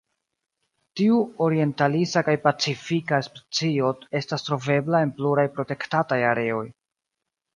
Tiu orientalisa kaj pacifika specio estas trovebla en pluraj protektataj areoj.